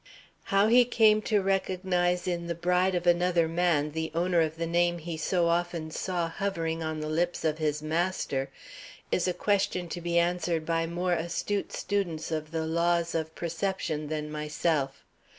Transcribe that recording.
How he came to recognize in the bride of another man the owner of the name he so often saw hovering on the lips of his master, is a question to be answered by more astute students of the laws of perception than myself.